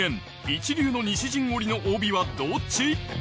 一流の西陣織の帯はどっち？